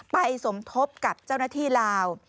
สมทบกับเจ้าหน้าที่ลาว